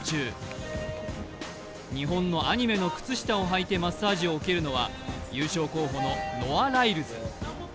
日本のアニメの靴下をはいてマッサージを受けるのは優勝候補のノア・ライルズ。